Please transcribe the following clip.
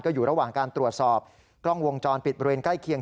อยู่ระหว่างการตรวจสอบกล้องวงจรปิดบริเวณใกล้เคียง